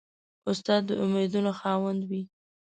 استاد د امیدونو خاوند وي.